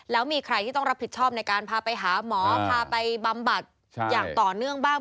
แล้วมีใครที่ต้องรับผิดชอบในการพาไปหาหมอพาไปบำบัดอย่างต่อเนื่องบ้าง